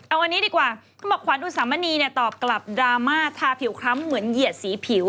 เอาอันนี้ดีกว่าเขาบอกขวัญอุสามณีเนี่ยตอบกลับดราม่าทาผิวคล้ำเหมือนเหยียดสีผิว